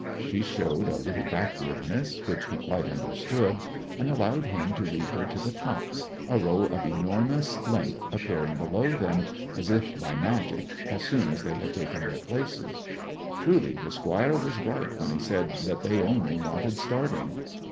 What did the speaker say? She showed a little backwardness, which he quite understood, and allowed him to lead her to the top, a row of enormous length appearing below them as if by magic as soon as they had taken their places. Truly the Squire was right when he said that they only wanted starting.